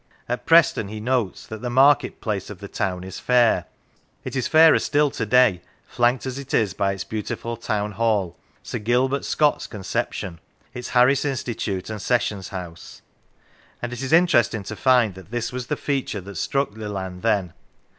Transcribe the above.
At Preston he notes that " the market place of the town is fair." It is fairer still to day, flanked as it is by its beautiful Town Hall, Sir Gilbert Scott's conception, its Harris Institute, and Sessions House; and it is interesting to find that this was the feature that struck Leland then.